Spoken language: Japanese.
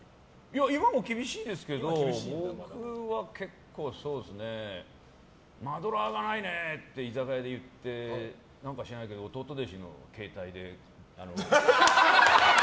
今も厳しいですけど僕は結構マドラーがないねって居酒屋で言って何か知らないけど弟弟子の携帯で。